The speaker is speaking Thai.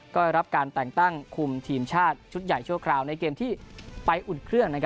ก็รับการแต่งตั้งคุมทีมชาติชุดใหญ่ชั่วคราวในเกมที่ไปอุ่นเครื่อง